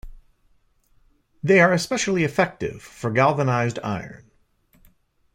They are especially effective for galvanized iron.